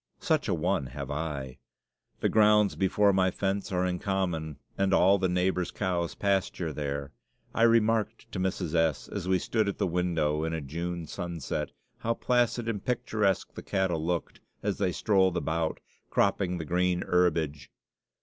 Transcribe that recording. Such a one have I. The grounds before my fence are in common, and all the neighbors' cows pasture there. I remarked to Mrs. S., as we stood at the window in a June sunset, how placid and picturesque the cattle looked, as they strolled about, cropping the green herbage.